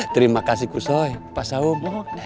terima kasih kusot pak saham